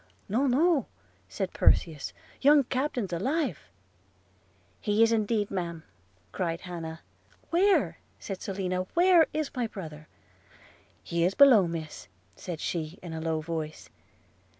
'No, no,' said Perseus, 'young captain's alive!' 'He is indeed, ma'am,' cried Hannah. 'Where?' said Selina, 'where is my brother?' 'He is below, miss,' said she, in a low voice.